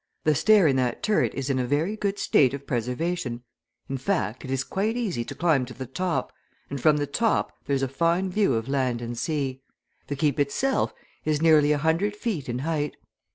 The stair in that turret is in a very good state of preservation in fact, it is quite easy to climb to the top, and from the top there's a fine view of land and sea: the Keep itself is nearly a hundred feet in height.